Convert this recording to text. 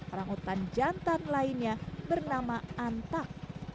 orang utan jantan lainnya bernama antak